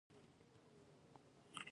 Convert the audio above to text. ژبه د همږغی وسیله ده.